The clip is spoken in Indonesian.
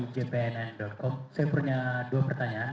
cpn com saya punya dua pertanyaan